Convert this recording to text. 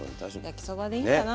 焼きそばでいいんかな。